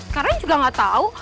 sekarang juga enggak tahu